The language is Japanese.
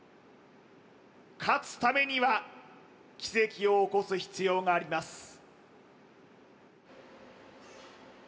勝つためには奇跡を起こす必要があります